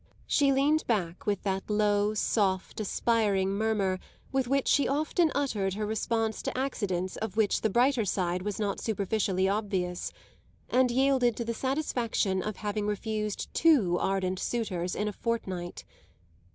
She leaned back, with that low, soft, aspiring murmur with which she often uttered her response to accidents of which the brighter side was not superficially obvious, and yielded to the satisfaction of having refused two ardent suitors in a fortnight.